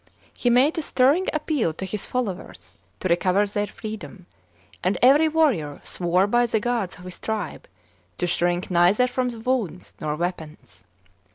He made a stirring appeal to his followers to recover their freedom, and every warrior swore by the gods of his tribe to shrink neither from wounds nor weapons.